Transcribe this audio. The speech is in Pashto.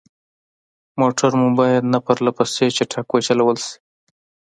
موټر مو باید نه پرلهپسې چټک وچلول شي.